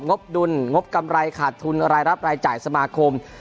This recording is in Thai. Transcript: บดุลงบกำไรขาดทุนรายรับรายจ่ายสมาคม